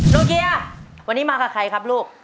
โนเกียร์วันนี้มากับใครครับลูก